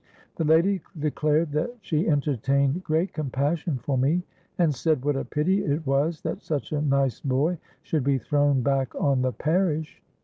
'—The lady declared that she entertained great compassion for me, and said what a pity it was that such a nice boy should be thrown back on the parish.